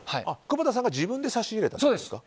窪田さんが自分で差し入れたんですか。